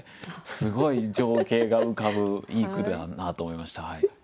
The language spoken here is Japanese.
すごい情景が浮かぶいい句だなと思いました。